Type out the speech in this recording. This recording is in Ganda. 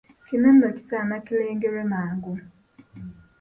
Kino nno kisaana kirengerwe mangu.